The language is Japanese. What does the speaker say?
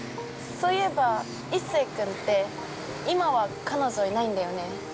そういえば一世君って、今は彼女いないんだよね。